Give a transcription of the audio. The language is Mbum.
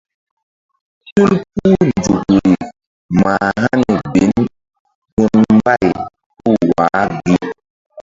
Tul puh nzukri mah hani bin gun mbay puh wa gi.